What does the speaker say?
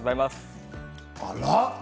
あら？